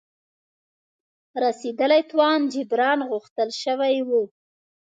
رسېدلي تاوان جبران غوښتل شوی وو.